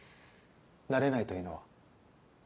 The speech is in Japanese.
慣れないというのは？